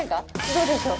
どうでしょう？